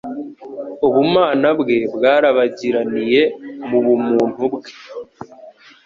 Ubumana bwe bwarabagiraniye mu bumuntu bwe,